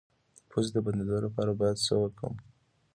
د پوزې د بندیدو لپاره باید څه وکاروم؟